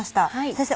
先生